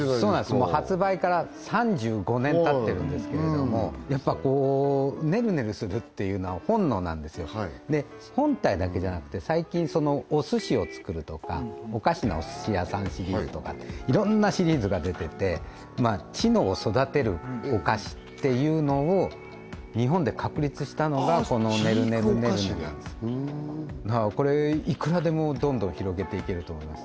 もう発売から３５年たってるんですけれどもやっぱこうねるねるするっていうのは本能なんですよで本体だけじゃなくて最近おすしを作るとかお菓子のおすしやさんシリーズとかいろんなシリーズが出てて知能を育てるお菓子っていうのを日本で確立したのがこのねるねるねるねなんです知育お菓子だこれいくらでもどんどん広げていけると思います